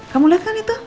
kamu liat kan itu